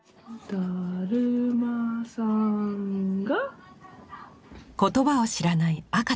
「だるまさんが」。